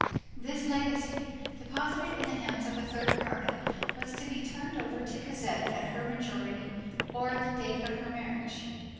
This legacy, deposited in the hands of a third party, was to be turned over to Cosette at her majority, or at the date of her marriage.